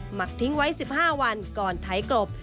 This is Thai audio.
หักทิ้งไว้๑๕วันก่อนไถกรบ